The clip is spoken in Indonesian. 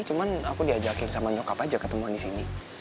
cuman aku diajakin sama nyokap aja ketemuan di sini